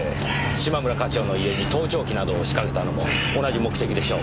嶋村課長の家に盗聴器などを仕掛けたのも同じ目的でしょう。